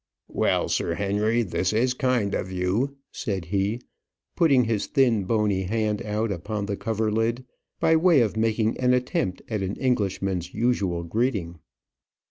"Well, Sir Henry, this is kind of you," said he, putting his thin, bony hand out upon the coverlid, by way of making an attempt at an Englishman's usual greeting.